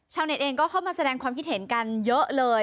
เน็ตเองก็เข้ามาแสดงความคิดเห็นกันเยอะเลย